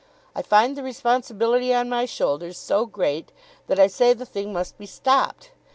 I find the responsibility on my own shoulders so great that I say the thing must be stopped.